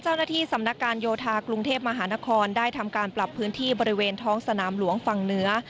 เจ้าหน้าที่สำนักการโยธากรุงเทพมหานครได้ทำการปรับพื้นที่บริเวณท้องสนามหลวงฝั่งเหนือ